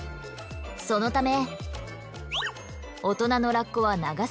そのため。